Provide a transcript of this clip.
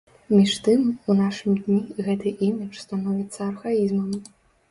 Між тым, у нашы дні гэты імідж становіцца архаізмам.